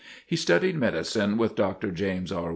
He studied medicine with Dr. James R.